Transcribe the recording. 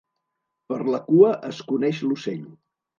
Per la cua es coneix l'ocell.